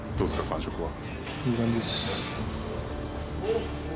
感触は。